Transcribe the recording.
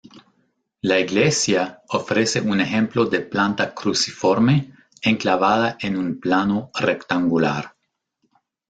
La iglesia ofrece un ejemplo de planta cruciforme enclavada en un plano rectangular.